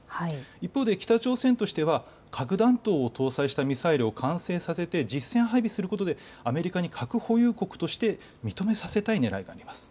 一方で北朝鮮としては核弾頭を搭載したミサイルを完成させて実戦配備することでアメリカに核保有国として認めさせたいねらいがあります。